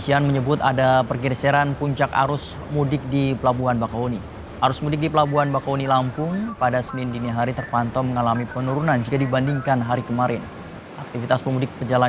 yang menyebut puncak arus mudik terjadi pada hari senin dan selasa